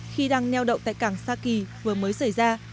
khi đang neo đậu tại cảng sa kỳ vừa mới xảy ra